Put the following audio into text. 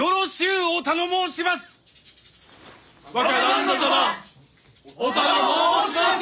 若旦那様お頼申します！